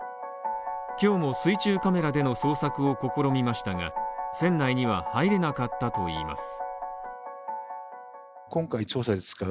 今日も水中カメラでの捜索を試みましたが船内には入れなかったといいます。